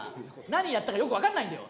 何やったかよく分かんないんだよ。